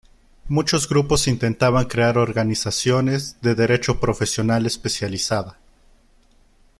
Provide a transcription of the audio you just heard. Muchos grupos intentaban crear organizaciones de derecho profesional especializada.